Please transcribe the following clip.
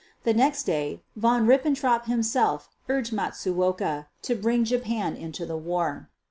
The next day Von Ribbentrop himself urged Matsuoka to bring Japan into the war.